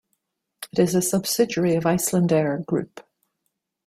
It is a subsidiary of Icelandair Group.